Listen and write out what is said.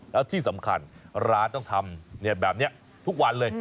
แล้วที่สำคัญร้านต้องทำแบบนี้ทุกวันเลย